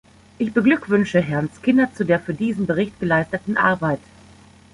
Ich beglückwünsche Herrn Skinner zu der für diesen Bericht geleisteten Arbeit.